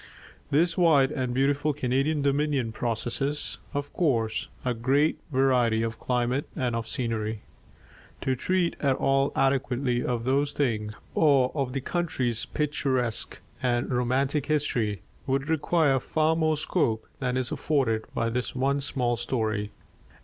This wide and beautiful Canadian Dominion possesses, of course, a great variety of climate and of scenery. To treat at all adequately of those things, or of the country's picturesque and romantic history, would require far more scope than is afforded by this one small story.